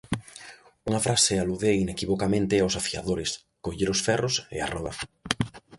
Unha frase alude inequivocamente aos afiadores: coller os ferros e a roda.